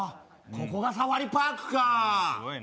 ここがサファリパークかうん